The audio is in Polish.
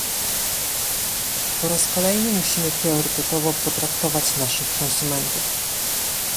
Po raz kolejny musimy priorytetowo potraktować naszych konsumentów